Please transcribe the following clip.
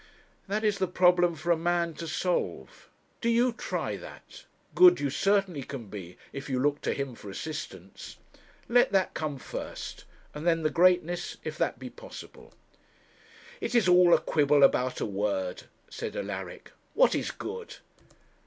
'That is the problem for a man to solve. Do you try that. Good you certainly can be, if you look to Him for assistance. Let that come first; and then the greatness, if that be possible.' 'It is all a quibble about a word,' said Alaric. 'What is good?